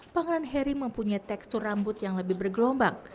pangeran harry mempunyai tekstur rambut yang lebih bergelombang